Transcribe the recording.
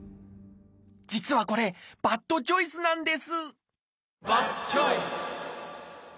実はこれバッドチョイスなんですバッドチョイス！